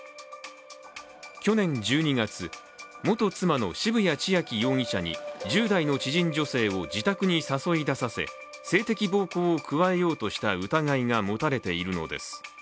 去年１２月、元妻の渋谷千秋容疑者に１０代の知人女性を自宅に誘い出させ性的暴行を加えようとした疑いが持たれているのです。